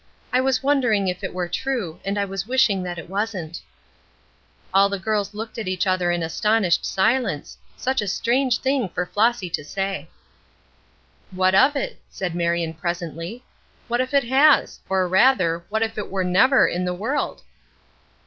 I was wondering if it were true, and I was wishing that it wasn't." All the girls looked at each other in astonished silence; such a strange thing for Flossy to say. "What of it?" said Marion, presently. "What if it has? or, rather, what if it were never in the world?"